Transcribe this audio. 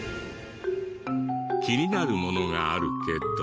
気になるものがあるけど。